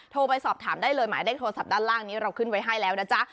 โทรไปสอบถามได้เลยหมายเลขโทรศัพท์ด้านล่างนี้เราขึ้นไว้ให้แล้วนะจ๊ะ